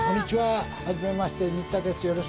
初めまして、新田です。